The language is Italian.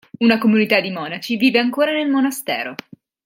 Una comunità di monaci vive ancora nel monastero.